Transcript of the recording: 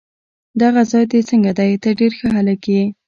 دا ځای دې څنګه دی؟ ته ډېر ښه هلک یې.